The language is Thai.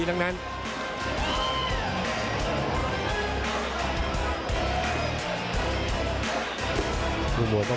รอคะแนนจากอาจารย์สมาร์ทจันทร์คล้อยสักครู่หนึ่งนะครับ